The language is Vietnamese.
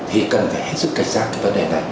thì cần phải hết sức cảnh giác cái vấn đề này